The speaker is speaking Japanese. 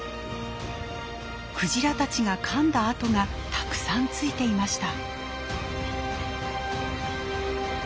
クジラたちがかんだ跡がたくさんついていました。